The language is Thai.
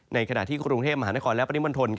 ในขณะที่กรุงเทพมหานครและปริมณฑล